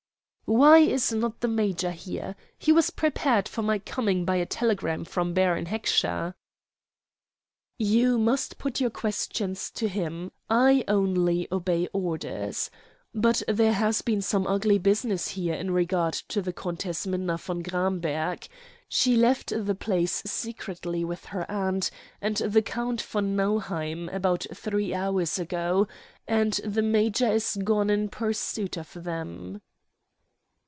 "Why is not the major here? He was prepared for my coming by a telegram from Baron Heckscher." "You must put your questions to him. I only obey orders. But there has been some ugly business here in regard to the Countess Minna von Gramberg. She left the place secretly with her aunt and the Count von Nauheim, about three hours ago, and the major is gone in pursuit of them."